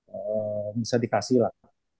ehm bisa dikasih lah